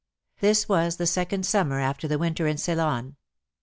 This was the second summer after the winter in Ceylon.